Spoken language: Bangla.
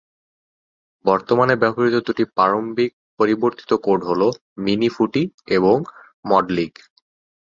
বর্তমানে ব্যবহৃত দুটি প্রারম্ভিক পরিবর্তিত কোড হল "মিনি ফুটি" এবং "মড লীগ"।